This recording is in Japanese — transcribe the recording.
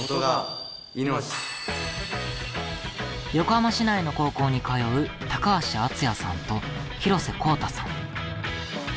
横浜市内の高校に通う高橋敦也さんと廣瀬幸太さん。